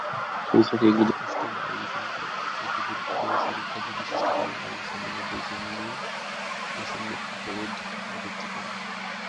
সেইসাথে এগুলি যথেষ্ট বায়ু দূষণ করে, একটি গুরুত্বপূর্ণ সুরক্ষা ঝুঁকি সৃষ্টি করে এবং সমাজে বৈষম্যের বোধ বৃদ্ধি করে।